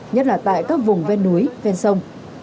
nhất là tại các vùng ven núi ven sông